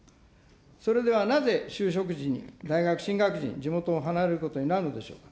それではなぜ就職時に、大学進学時に地元を離れることになるのでしょうか。